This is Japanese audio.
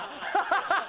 ハハハ！